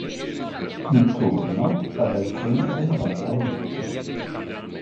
Un turno va dai trenta ai novanta minuti.